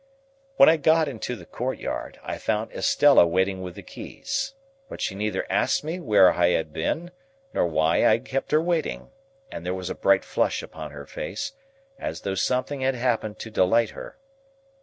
When I got into the courtyard, I found Estella waiting with the keys. But she neither asked me where I had been, nor why I had kept her waiting; and there was a bright flush upon her face, as though something had happened to delight her.